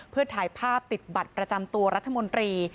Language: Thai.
เพื่อถ่ายภาพติดบัตรประจำตัวรัฐมนตรี